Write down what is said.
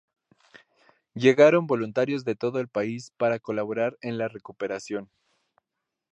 Llegaron voluntarios de todo el país para colaborar en la recuperación.